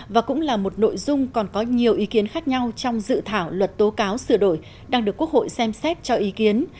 và cũng là một nội dung còn có nhiều ý kiến khác nhau trong dự thảo luật tố cáo sửa đổi đang được quốc hội xem xét cho ý kiến